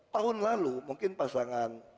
tahun lalu mungkin pasangan